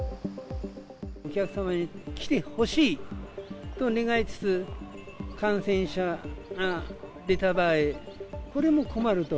お客様に来てほしいと願いつつ、感染者が出た場合、これも困ると。